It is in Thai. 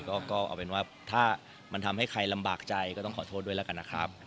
ก็เอาเป็นว่าถ้ามันทำให้ใครลำบากใจก็ต้องขอโทษด้วยแล้วกันนะครับ